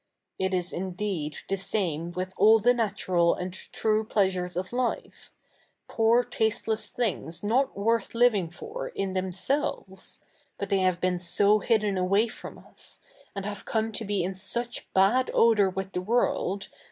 Lt is i7ideed the sai7ie ivith all the 7iatural and true pleasures of life — poor tasteless things 7iot worth livi7igfor, in the7nselves ; but they have been so hidden away f7 om us, and have C077ie to l)e in such bad odour with the world.